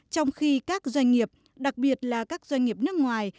trong khi các doanh nghiệp đặc biệt là các doanh nghiệp nước ngoài